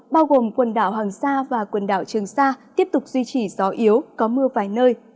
bao gồm quần đảo hoàng sa và quần đảo trường sa tiếp tục duy trì gió yếu có mưa vài nơi